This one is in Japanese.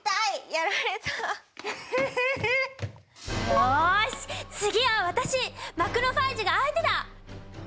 よし次は私マクロファージが相手だ！